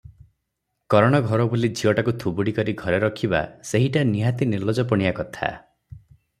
କରଣ ଘର ବୋଲି ଝିଅଟାକୁ ଥୁବୁଡ଼ୀ କରି ଘରେ ରଖିବା, ସେହିଟା ନିହାତି ନିଲଜପଣିଆ କଥା ।